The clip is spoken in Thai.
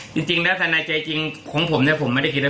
จริงจริงแล้วแต่ในใจจริงของผมเนี่ยผมไม่ได้คิดอะไร